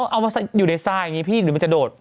เอาอยู่ในซายอย่างนี้พี่หรือจะโดด